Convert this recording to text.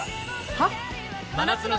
「はっ？」